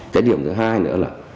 cái điểm thứ hai nữa là